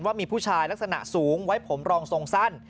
ว่ามีผู้ชายลักษณะสูงไว้ผมรองทรงสั้น